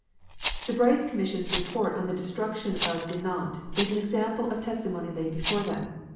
The Bryce Commission's report on the destruction of Dinant is an example of testimony laid before them.